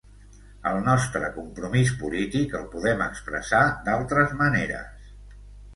El nostre compromís polític el podem expressar d’altres maneres.